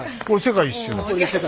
これ世界一周だ。